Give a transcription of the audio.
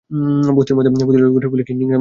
বসতির মধ্যে পতিতালয় খুলে কি নোংরামি শুরু করে দিছে!